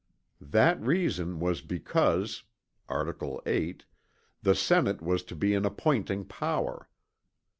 That reason was because (Art. VIII), the Senate was to be an appointing power.